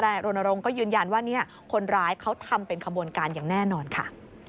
รณรงค์ก็ยืนยันว่าคนร้ายเขาทำเป็นขบวนการอย่างแน่นอนค่ะ